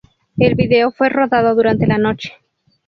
El vídeo fue rodado durante la noche.